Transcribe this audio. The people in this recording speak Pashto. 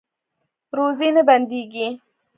روزي نه بندیږي